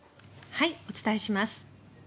お伝えします。